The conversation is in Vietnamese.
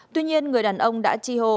tuy nhiên người đàn ông đã chi hô